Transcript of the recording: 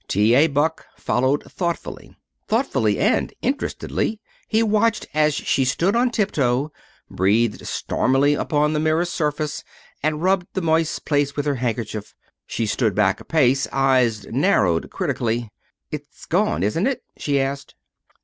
T. A. Buck followed thoughtfully. Thoughtfully and interestedly he watched her as she stood on tiptoe, breathed stormily upon the mirror's surface, and rubbed the moist place with her handkerchief. She stood back a pace, eyes narrowed critically. "It's gone, isn't it?" she asked.